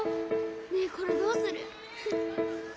ねえこれどうする？